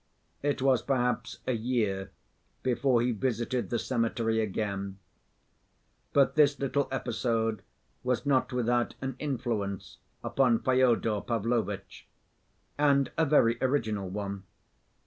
It was perhaps a year before he visited the cemetery again. But this little episode was not without an influence upon Fyodor Pavlovitch—and a very original one.